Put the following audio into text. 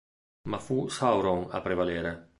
Ma fu Sauron a prevalere.